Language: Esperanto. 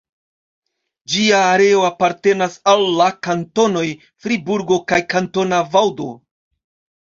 Ĝia areo apartenas al la kantonoj Friburgo kaj Kantona Vaŭdo.